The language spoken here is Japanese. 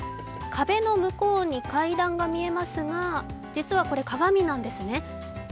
壁の向こうに階段が見えますが、実はこれ、鏡なんですね。